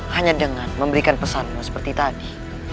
hanya dengan memberikan pesan seperti tadi